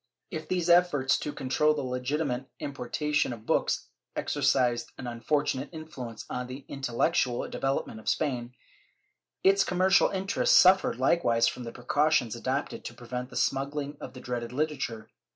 ^ If these efforts to control the legitimate importation of books exercised an unfortunate influence on the intellectual develop ment of Spain, its commercial interests suffered likewise from the precautions adopted to prevent the smuggUng of the dreaded literature.